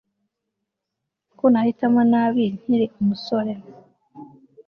ko nahitamo nabi, nkiri umusore